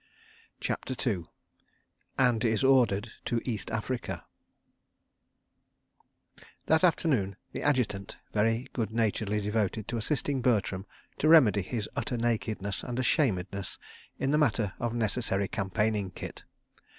CHAPTER II And is Ordered to East Africa That afternoon the Adjutant very good naturedly devoted to assisting Bertram to remedy his utter nakedness and ashamedness in the matter of necessary campaigning kit.